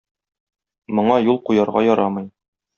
Моңа юл куярга ярамый.